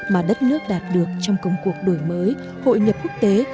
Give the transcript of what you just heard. mà đất nước đạt được trong công cuộc đổi mới hội nhập quốc tế